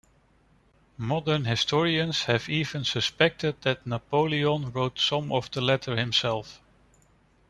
Modern historians have even suspected that Napoleon wrote some of the letter himself.